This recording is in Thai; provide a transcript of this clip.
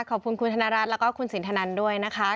ขอบบทรมานคุณวิ่งที่ห้องส่งครับ